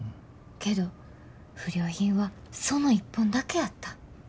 けど不良品はその一本だけやった。